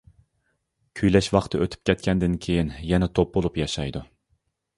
كۈيلەش ۋاقتى ئۆتۈپ كەتكەندىن كېيىن يەنە توپ بولۇپ ياشايدۇ.